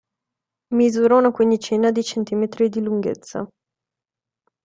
Misura una quindicina di centimetri di lunghezza.